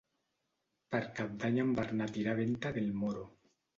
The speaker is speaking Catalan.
Per Cap d'Any en Bernat irà a Venta del Moro.